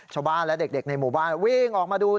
ชาวบ้านและเด็กในหมู่บ้านวิ่งออกมาดู